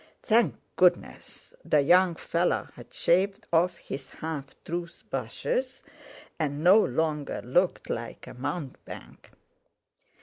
Thank goodness, the young fellow had shaved off his half toothbrushes, and no longer looked like a mountebank!